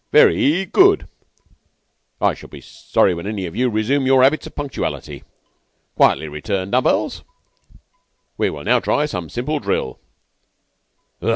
"Ve ry good. I shall be sorry when any of you resume your 'abits of punctuality. Quietly return dumb bells. We will now try some simple drill."